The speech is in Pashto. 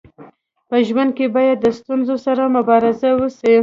په ژوند کي باید د ستونزو سره مبارزه وسي.